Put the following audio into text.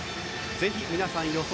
ぜひ皆さん予想